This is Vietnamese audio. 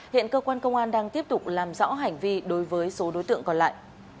hiện cơ quan công an đang tiếp tục làm rõ hành vi đối với số đối tượng còn lại